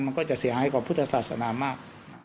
มันก็สาเห็นให้กว่าพุทธศาสนามาก